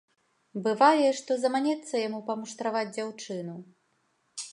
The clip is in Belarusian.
Бывае, што заманецца яму памуштраваць дзяўчыну.